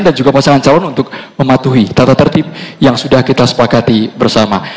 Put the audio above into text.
dan juga pasangan calon untuk mematuhi tata tertib yang sudah kita sepakati bersama